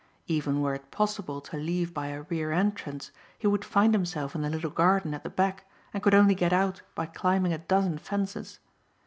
Even were it possible to leave by a rear entrance he would find himself in the little garden at the back and could only get out by climbing a dozen fences.